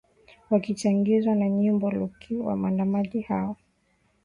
wakichagizwa na nyimbo lukuki waandamanaji hao